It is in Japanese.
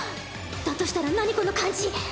だとしたら何この感じ？